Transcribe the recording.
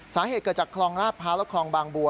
สาเหตุเกิดจากคลองราชพร้าวและคลองบางบัว